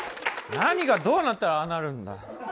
何がどうなったらああなるんだ。